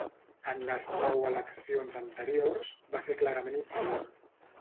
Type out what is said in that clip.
En les nou eleccions anteriors, va ser clarament inferior.